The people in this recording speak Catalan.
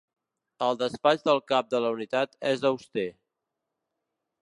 El despatx del cap de la unitat és auster.